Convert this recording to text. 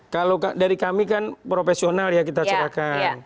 kalau dari kami kan profesional ya kita serahkan